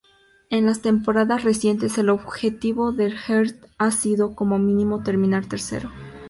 En las temporadas recientes, el objetivo del Hearts ha sido, como mínimo, terminar tercero.